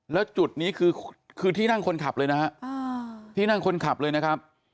แล้วจุดนี้คือที่นั่งคนขับเลยนะฮะที่นั่งคนขับเลยนะครับ